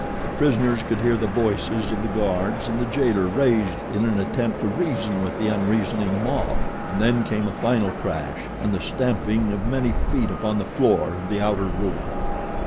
The prisoners could hear the voices of the guards and the jailer raised in an attempt to reason with the unreasoning mob, and then came a final crash and the stamping of many feet upon the floor of the outer room.